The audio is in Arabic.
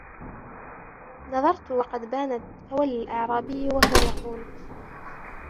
نَظَرْتُ وَقَدْ بَانَتْ فَوَلَّى الْأَعْرَابِيُّ وَهُوَ يَقُولُ